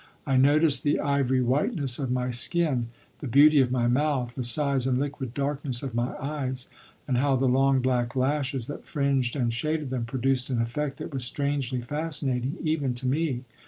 I noticed the ivory whiteness of my skin, the beauty of my mouth, the size and liquid darkness of my eyes, and how the long, black lashes that fringed and shaded them produced an effect that was strangely fascinating even to me.